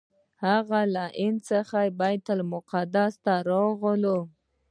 هغه له هند څخه بیت المقدس ته راغلی و.